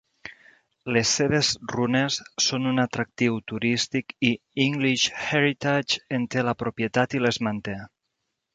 Les seves runes són un atractiu turístic i English Heritage en té la propietat i les manté.